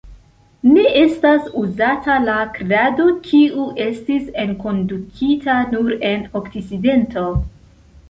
Ne estas uzata la krado, kiu estis enkondukita nur en Okcidento.